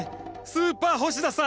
スーパー星田さ！